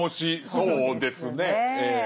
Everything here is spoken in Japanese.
そうですね。